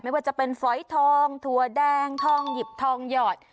ไม่ว่าจะเป็นฝอยทองถั่วแดงทองหยิบทองหยอด